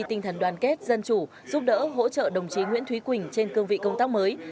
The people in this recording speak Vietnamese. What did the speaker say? tinh thần đoàn kết dân chủ giúp đỡ hỗ trợ đồng chí nguyễn thúy quỳnh trên cương vị công tác mới